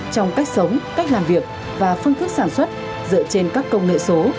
trong cách sống cách làm việc và phương thức sản xuất dựa trên các công nghệ số